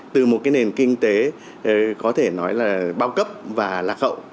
từ một nền kinh tế có thể nói là bao cấp và lạc hậu